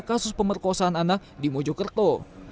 karena kasus pemerkosaan anak di mojokerto